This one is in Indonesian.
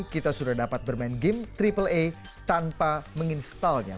kita sudah dapat bermain game aaa tanpa menginstalnya